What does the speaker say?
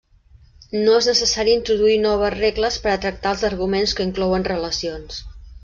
No és necessari introduir noves regles per a tractar els arguments que inclouen relacions.